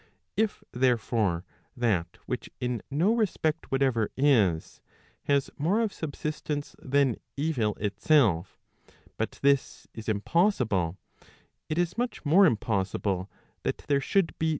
* If therefore, that which in no respect whatever is, has more of subsistence than evil itself, but this is impossible, it is much more impossible that there should be such a thing as evil itself.